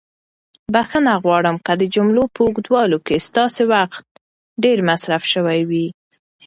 بښنه غواړم که د جملو په اوږدوالي کې ستاسو وخت ډېر مصرف شوی وي.